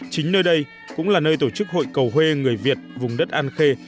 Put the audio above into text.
chính nơi đây cũng là nơi tổ chức hội cầu hê người việt vùng đất an khê